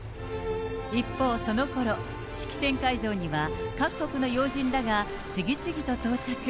一方、そのころ、式典会場には各国の要人らが次々と到着。